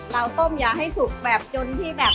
เราต้มยาให้สุกแบบจนที่แบบ